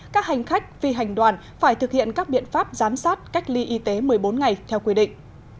các hành khách phi hành đoàn phải thực hiện các biện pháp giám sát cách ly y tế một mươi bốn ngày theo quy định